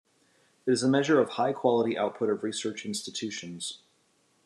It is a measure of high quality output of research institutions.